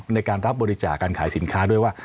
ในการรับบริจาคการขายสินค้าด้วยว่า